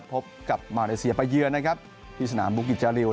พบกับมาลัยเซียประเยินที่สนามบุกิจริวดิ์